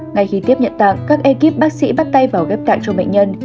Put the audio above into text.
ngay khi tiếp nhận tạng các ekip bác sĩ bắt tay vào ghép tạng cho bệnh nhân